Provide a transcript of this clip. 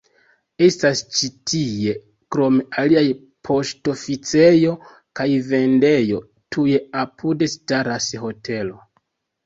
Estas ĉi tie krom aliaj poŝtoficejo kaj vendejo, tuj apude staras hotelo.